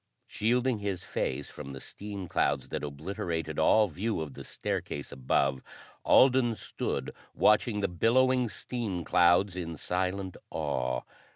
Shielding his face from the steam clouds that obliterated all view of the staircase above, Alden stood watching the billowing steam clouds in silent awe.